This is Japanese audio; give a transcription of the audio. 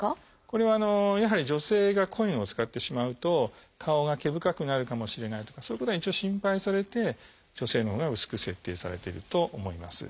これはやはり女性が濃いのを使ってしまうと顔が毛深くなるかもしれないとかそういうことが一応心配されて女性のほうが薄く設定されていると思います。